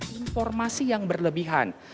informasi yang berlebihan